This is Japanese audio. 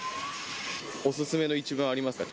お勧めの一文、ありますか？